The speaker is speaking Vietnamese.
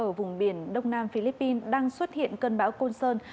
ở vùng biển đông nam philippines đang xuất hiện cơn bão côn sơn